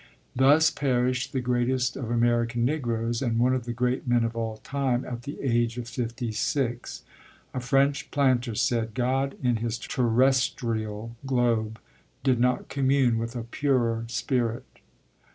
Thus perished the greatest of American Negroes and one of the great men of all time, at the age of fifty six. A French planter said, "God in his terrestrial globe did not commune with a purer spirit."